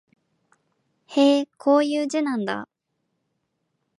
へえ、こういう字なんだ